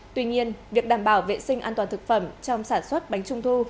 tuy nhiên việc đảm bảo vệ sinh an toàn thực phẩm trong sản xuất bánh trung thu